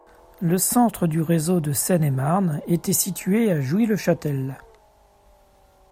Le centre du Réseau de Seine-et-Marne était situé à Jouy-le-Châtel.